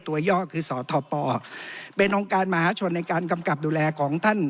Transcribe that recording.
ย่อคือสทปเป็นองค์การมหาชนในการกำกับดูแลของท่าน